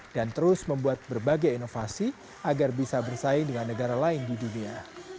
dan terus membuat berbagai inovasi agar bisa bersaing dengan negara lain di dunia